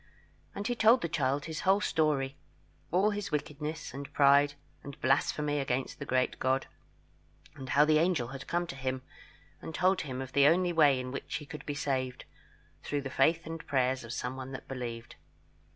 And he told the child his whole story all his wickedness, and pride, and blasphemy against the great God; and how the angel had come to him, and told him of the only way in which he could be saved, through the faith and prayers of someone that believed.